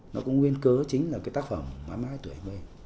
nó cũng nguyên cớ chính là cái tác phẩm mãi mãi tuổi hai mươi